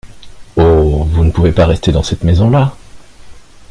Oh ! vous ne pouvez pas rester dans cette maison-là.